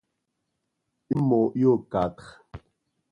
Himo hyoocatx.